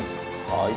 はい。